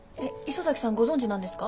磯崎さんご存じなんですか？